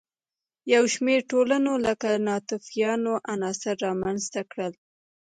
یو شمېر ټولنو لکه ناتوفیانو عناصر رامنځته کړل.